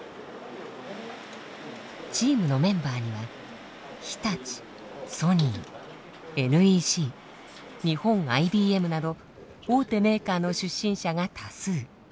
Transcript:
チームのメンバーには日立ソニーＮＥＣ日本ＩＢＭなど大手メーカーの出身者が多数。